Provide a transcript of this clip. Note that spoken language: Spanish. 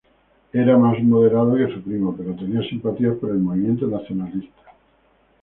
Era más moderado que su primo, pero tenía simpatías por el movimiento nacionalista.